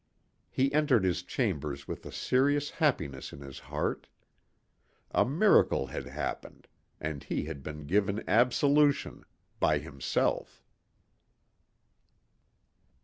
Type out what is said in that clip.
He entered his chambers with a serious happiness in his heart. A miracle had happened and he had been given absolution by himself.